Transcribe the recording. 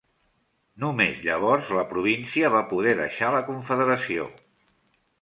Només llavors la província va poder deixar la confederació.